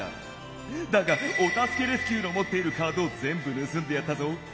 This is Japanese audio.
だがお助けレスキューのもっているカードをぜんぶぬすんでやったぞ。